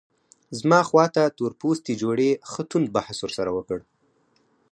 زما خواته تور پوستي جوړې ښه توند بحث ورسره وکړ.